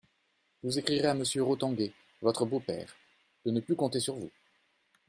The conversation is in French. Vous écrirez à Monsieur Rothanger, votre beau-père, de ne plus compter sur vous.